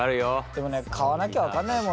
でもね買わなきゃ分かんないもんね。